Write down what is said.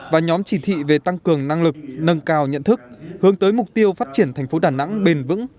và nhóm chỉ thị về tăng cường năng lực nâng cao nhận thức hướng tới mục tiêu phát triển thành phố đà nẵng bền vững